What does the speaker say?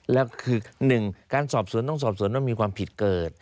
แล้วคือหนึ่งการสอบสวนต้องสอบสวนว่ามีความผิดเกิด